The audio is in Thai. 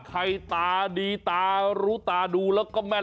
ตาดีตารู้ตาดูแล้วก็แม่น